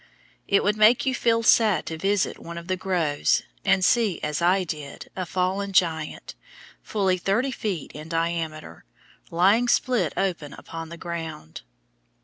It would make you feel sad to visit one of the groves and see, as I did, a fallen giant, fully thirty feet in diameter, lying split open upon the ground.